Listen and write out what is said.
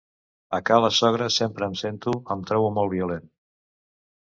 A ca la sogra sempre em sento, em trobo, molt violent.